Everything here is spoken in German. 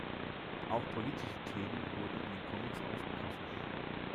Auch politische Themen wurden in den Comics aufgegriffen.